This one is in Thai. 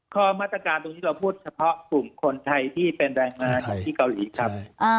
มาตรการตรงนี้เราพูดเฉพาะกลุ่มคนไทยที่เป็นแรงงานอยู่ที่เกาหลีครับ